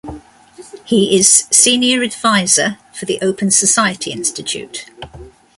He is Senior Advisor for the Open Society Institute.